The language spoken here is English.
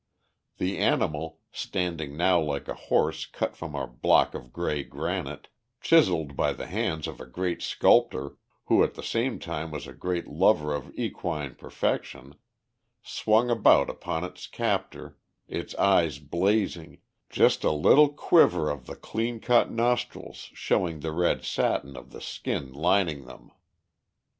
The animal, standing now like a horse cut from a block of grey granite, chiselled by the hands of a great sculptor who at the same time was a great lover of equine perfection, swung about upon its captor, its eyes blazing, just a little quiver of the clean cut nostrils showing the red satin of the skin lining them.